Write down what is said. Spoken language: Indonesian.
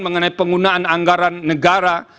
mengenai penggunaan anggaran negara